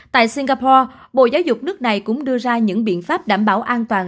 tại singapore bộ giáo dục nước này cũng đưa ra những biện pháp đảm bảo an toàn